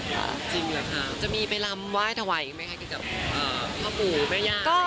จริงหรือคะจะมีไปรำไหว้ถวัยไหมแค่เกี่ยวกับพ่อปู่แม่ญาติ